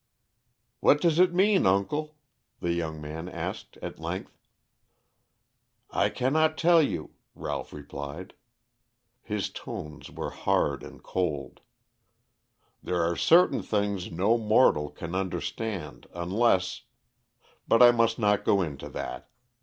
"What does it mean, uncle?" the young man asked at length. "I cannot tell you," Ralph replied. His tones were hard and cold. "There are certain things no mortal can understand unless ; but I must not go into that.